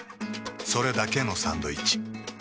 それだけのサンドイッチ。